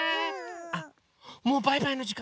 あっもうバイバイのじかんだ！